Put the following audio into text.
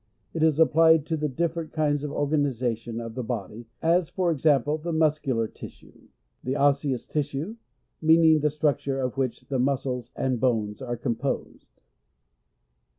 It is applied to the different kinds of organization of the body, as, for example, the muscular tissue, 120 PH YSIOLOG Y:— G LOSS AR Y. osseous tissue, meaning the struc ture of winch the muscles, and bones are composed.